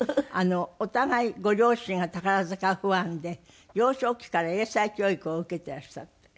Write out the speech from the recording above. お互いご両親が宝塚ファンで幼少期から英才教育を受けていらしたって。